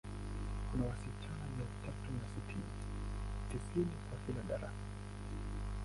Kuna wasichana mia tatu na sitini, tisini kwa kila darasa.